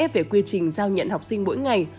về quy trình giao nhận học sinh mỗi ngày